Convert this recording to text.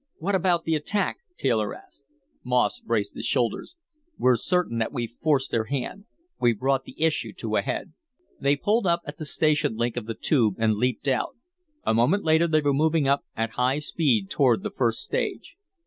"What about the attack?" Taylor asked. Moss braced his shoulders. "We're certain that we've forced their hand. We've brought the issue to a head." They pulled up at the station link of the Tube and leaped out. A moment later they were moving up at high speed toward the first stage.